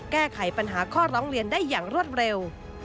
แก้ไขปัญหาข้อร้องเรียนได้อย่างรวดเร็ว